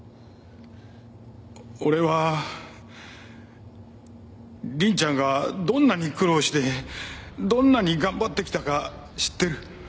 俺は凛ちゃんがどんなに苦労してどんなに頑張ってきたか知ってる。